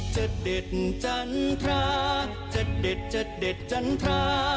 จัดเด็ดจันทราจัดเด็ดจัดเด็ดจันทรา